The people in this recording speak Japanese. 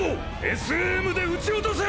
ＳＡＭで撃ち落とせ！